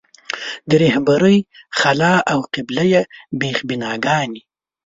د رهبرۍ خلا او قبیله یي بېخ بناګانې.